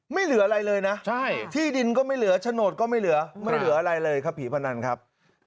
ไม่เหลืออะไรเลยนะที่ดินก็ไม่เหลือโฉนดก็ไม่เหลือไม่เหลืออะไรเลยครับผีพนันครับ